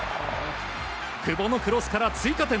久保のクロスから追加点。